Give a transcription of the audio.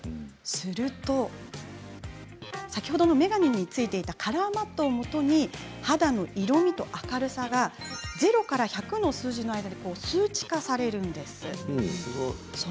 すると、眼鏡についたカラーマットをもとに肌の色みと明るさが０から１００の間で数値化されるんです。